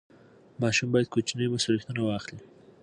ماشوم باید کوچني مسوولیتونه واخلي.